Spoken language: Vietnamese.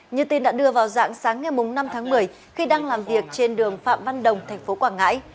như tin đã đưa vào dạng sáng ngày năm tháng một mươi khi đang làm việc trên đường phạm văn đồng thành phố quảng ngãi